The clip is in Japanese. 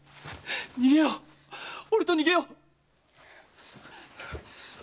逃げよう俺と逃げよう！